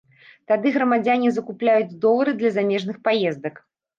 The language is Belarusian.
Тады грамадзяне закупляюць долары для замежных паездак.